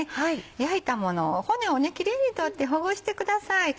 焼いたものを骨をねキレイに取ってほぐしてください。